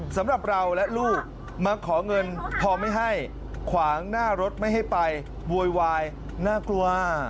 สำหรับเราและลูกมาขอเงินพอไม่ให้ขวางหน้ารถไม่ให้ไปโวยวายน่ากลัว